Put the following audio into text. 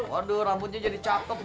waduh rambutnya jadi cakep